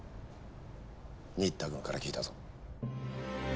新田くんから聞いたぞ。